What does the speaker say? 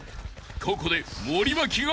［ここで森脇が動く］